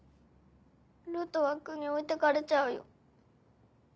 ルトワックに置いてかれちゃうよ。